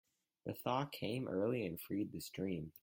The thaw came early and freed the stream.